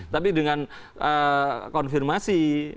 tapi dengan konfirmasi